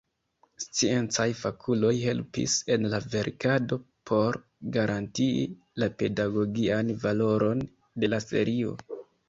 Sciencaj fakuloj helpis en la verkado por garantii la pedagogian valoron de la serio.